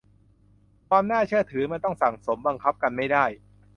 ความน่าเชื่อถือมันต้องสั่งสม บังคับกันไม่ได้